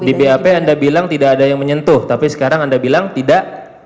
di bap anda bilang tidak ada yang menyentuh tapi sekarang anda bilang tidak